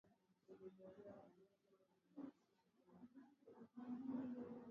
Silaha hizo zinadaiwa zilitumika katika mashambulizi kwenye vijiji vya watu wasiokuwa na makazi